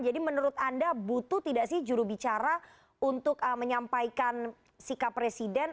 jadi menurut anda butuh tidak sih jurubicara untuk menyampaikan sikap presiden